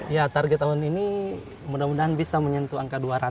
ya target tahun ini mudah mudahan bisa menyentuh angka dua ratus